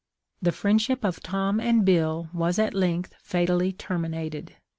The friendship of Tom and Bill was at length fatally terminated.